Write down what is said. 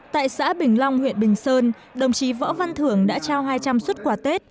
tại xã bình long huyện bình sơn đồng chí võ văn thưởng đã trao hai trăm linh xuất quà tết